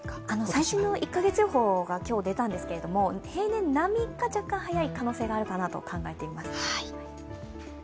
最新の１カ月予報が今日、出たんですけど平年並みか、若干早い可能性があるかなと考えています。